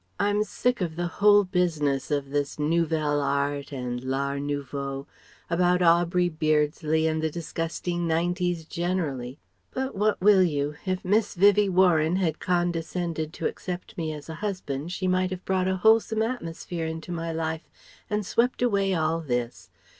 I'm sick of the whole business of this Nouvel Art and L'Art Nouveau, about Aubrey Beardsley and the disgusting 'nineties generally But what will you? If Miss Vivie Warren had condescended to accept me as a husband she might have brought a wholesome atmosphere into my life and swept away all this